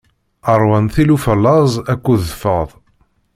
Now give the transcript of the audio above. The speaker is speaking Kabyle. Ṛwan tilufa laẓ akked fad.